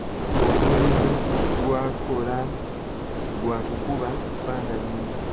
Omulimu gw'akola gwa kukuba bifaananyi.